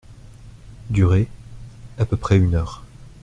Durée : à peu près une heure.